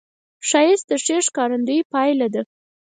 ښایست د ښې ښکارندې پایله ده